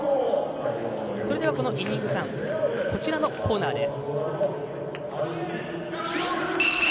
このイニング間こちらのコーナーです。